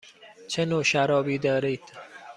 چه نوع شرابی دارید؟